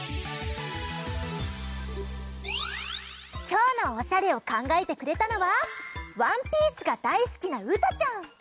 きょうのおしゃれをかんがえてくれたのはワンピースがだいすきなうたちゃん！